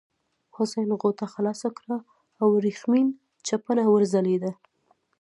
حسن غوټه خلاصه کړه او ورېښمین چپنه وځلېده.